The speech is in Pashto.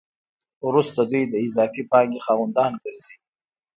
وروسته دوی د اضافي پانګې خاوندان ګرځي